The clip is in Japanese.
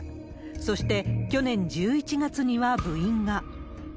そして、去年１１月には部員が。